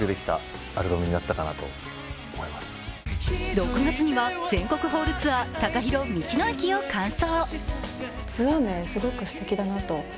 ６月には全国ホールツアー「ＴＡＫＡＨＩＲＯ道の駅」を完走。